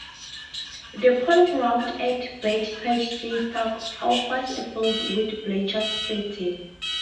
The Polo Grounds at Bethpage State Park offers a field with bleacher seating.